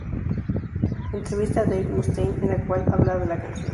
Entrevista a Dave Mustaine, en la cual habla de la canción.